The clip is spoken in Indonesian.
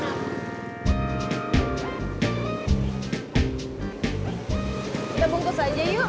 kita bungkus aja yuk